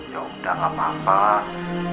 yaudah nggak apa apa